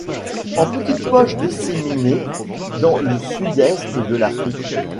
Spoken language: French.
En petites poches disséminées dans le sud-est de l’Afrique.